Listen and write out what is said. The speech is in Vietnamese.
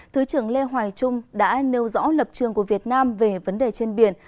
thứ trưởng lê hoài trung đã nêu rõ lập trường của việt nam về vấn đề trên biển